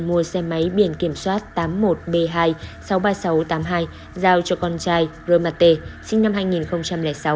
mua xe máy biển kiểm soát tám mươi một b hai sáu mươi ba nghìn sáu trăm tám mươi hai giao cho con trai romante sinh năm hai nghìn sáu